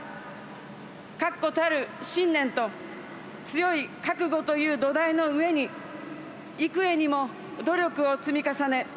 確固たる信念と強い覚悟という土台の上に幾重にも努力を積み重ね